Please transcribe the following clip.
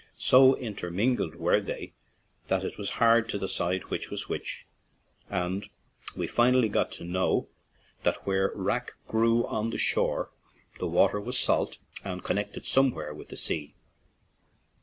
So intermingled were they that it was hard to decide which was which, and we finally got to know that where wrack grew on the shore the water was salt and connected somewhere with the sea.